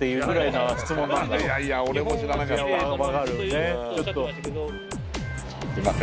いやいや俺も知らなかった。